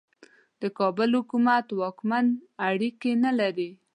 د کابل حکومت واکمن اړیکې نه لري.